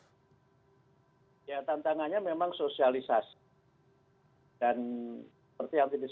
ya tantangannya memang sosialisasi